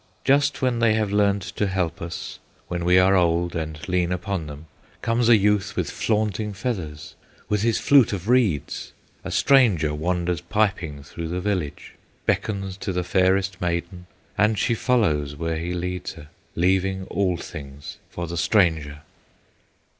Just when they have learned to help us, When we are old and lean upon them, Comes a youth with flaunting feathers, With his flute of reeds, a stranger Wanders piping through the village, Beckons to the fairest maiden, And she follows where he leads her, Leaving all things for the stranger!"